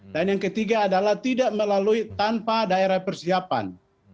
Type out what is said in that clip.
dan yang ketiga adalah tidak melalui tanpa daerah persiapan